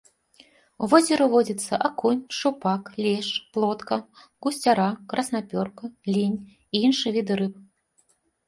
У возеры водзяцца акунь, шчупак, лешч, плотка, гусцяра, краснапёрка, лінь і іншыя віды рыб.